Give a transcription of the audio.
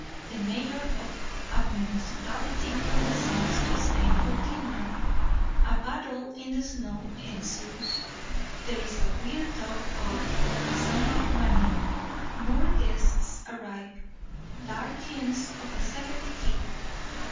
The mayor of a municipality condescends to stay for dinner. A battle in the snow ensues. There is a weird talk of a sum of money. More guests arrive. Dark hints of a seventh key.